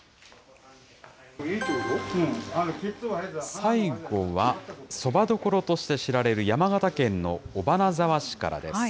最後は、そばどころとして知られる、山形県の尾花沢市からです。